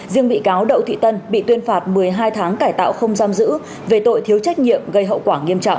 riêng bị cáo đậu thị tân bị tuyên phạt một mươi hai tháng cải tạo không giam giữ về tội thiếu trách nhiệm gây hậu quả nghiêm trọng